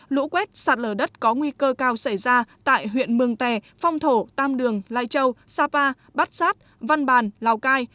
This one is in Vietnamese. lũ quét sạt lở đất có nguy cơ cao xảy ra tại huyện mường tè phong thổ tam đường lai châu sapa bát sát văn bàn lào cai